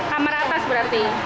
kamar atas berarti